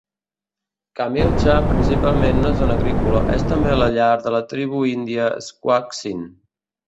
Kamilche, principalment una zona agrícola, és també la llar de la tribu índia Squaxin.